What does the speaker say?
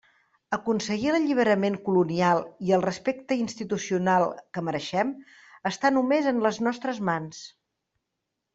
Aconseguir l'alliberament colonial i el respecte institucional que mereixem està només en les nostres mans.